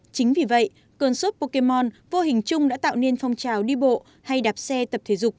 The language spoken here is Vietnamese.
chính vì vậy cơn sốt pokemon vô hình chung đã tạo nên phong trào đi bộ hay đạp xe tập thể dục